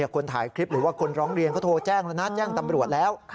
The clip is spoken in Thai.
คนถ่ายคลิปหรือว่าคนร้องเรียนก็โทรแจ้งแล้วนะแจ้งตำรวจแล้ว